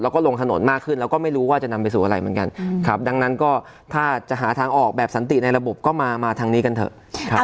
แล้วก็ลงถนนมากขึ้นแล้วก็ไม่รู้ว่าจะนำไปสู่อะไรเหมือนกันครับดังนั้นก็ถ้าจะหาทางออกแบบสันติในระบบก็มาทางนี้กันเถอะ